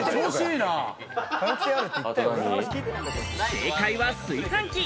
正解は、炊飯器。